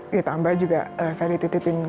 ditambah juga saya dititipin